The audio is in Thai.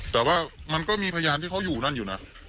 แต่ว่ามันก็มีพยานที่เขาอยู่นั่นอยู่นะ